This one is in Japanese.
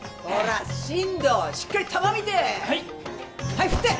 はい振って。